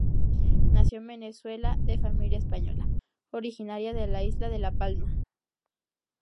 Nació en Venezuela de familia española, originaria de la isla de la Palma.